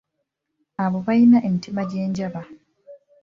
Abo balina emitima gya njaba.